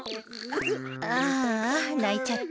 ああないちゃった。